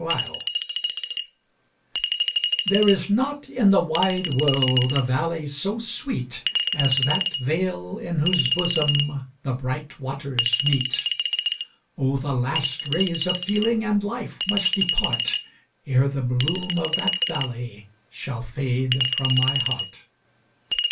There is not in the wide world a valley so sweet As that vale in whose bosom the bright waters meet; Oh! the last rays of feeling and life must depart, Ere the bloom of that valley shall fade from my heart.